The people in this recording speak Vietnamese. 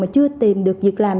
mà chưa tìm được việc làm